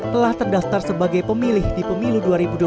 telah terdaftar sebagai pemilih di pemilu dua ribu dua puluh